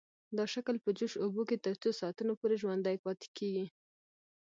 دا شکل په جوش اوبو کې تر څو ساعتونو پورې ژوندی پاتې کیږي.